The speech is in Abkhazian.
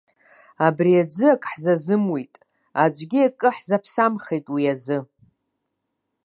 Абри аӡы акы ҳзазымуит, аӡәгьы акы ҳзаԥсамхеит уи азы.